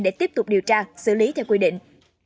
để tiếp tục điều tra xử lý theo quy định